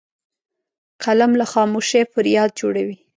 قلم له خاموشۍ فریاد جوړوي